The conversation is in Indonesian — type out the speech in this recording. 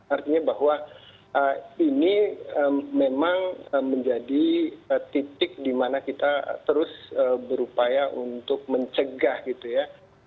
artinya bahwa ini memang menjadi titik di mana kita terus berupaya untuk mencegah gitu ya